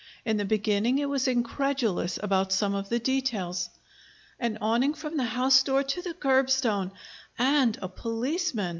In the beginning it was incredulous about some of the details. "An awning from the house door to the curbstone, and a policeman!"